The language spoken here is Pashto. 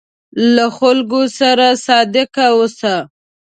له خلکو سره صادق اوسه.